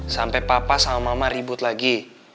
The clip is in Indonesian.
sampai papa sama mama ribut lagi